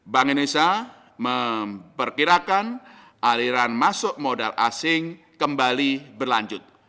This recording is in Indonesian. bank indonesia memperkirakan aliran masuk modal asing kembali berlanjut